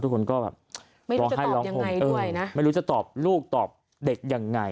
ไม่รู้จะตอบยังไงด้วยนะไม่รู้จะตอบลูกตอบเด็กยังไง